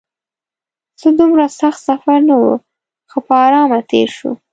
څه دومره سخت سفر نه و، ښه په ارامه تېر شو.